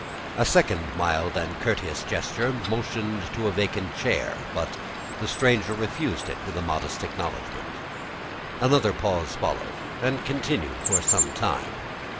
A second mild and courteous gesture motioned to a vacant chair, but the stranger refused it with a modest acknowledgment. Another pause followed, and continued for some time.